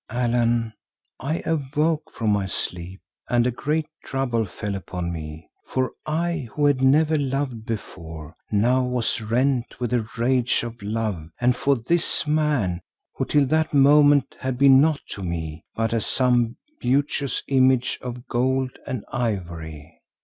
"Allan, I awoke from my sleep and a great trouble fell upon me, for I who had never loved before now was rent with a rage of love and for this man who till that moment had been naught to me but as some beauteous image of gold and ivory.